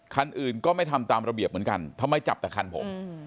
คันอื่นก็ไม่ทำตามระเบียบเหมือนกันทำไมจับแต่คันผม